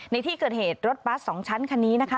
ในที่เกิดเหตุรถบัส๒ชั้นคันนี้นะคะ